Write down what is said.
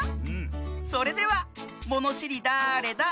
それでは「ものしりだれだ？」